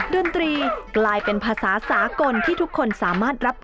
ดนตรีกลายเป็นภาษาสากลที่ทุกคนสามารถรับ